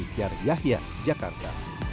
dari yahya jakarta